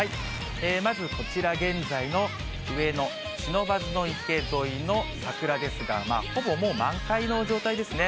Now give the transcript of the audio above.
まずこちら、現在の上野、不忍池の桜ですが、ほぼもう、満開の状態ですね。